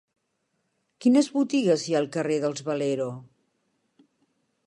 Quines botigues hi ha al carrer dels Valero?